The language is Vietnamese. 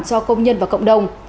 cho công nhân và cộng đồng